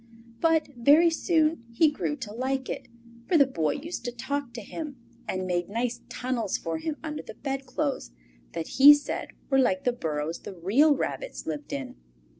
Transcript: But very soon he grew to like it, for the Boy used to talk to him, and made nice tunnels for him under the bedclothes that he said were like the burrows the real rabbits lived in.